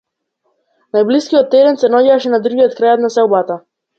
Најблискиот терен се наоѓаше на другиот крај од населбата.